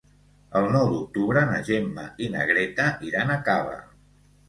El nou d'octubre na Gemma i na Greta iran a Cava.